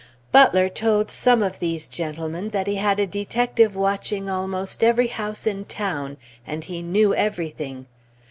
Butler told some of these gentlemen that he had a detective watching almost every house in town, and he knew everything.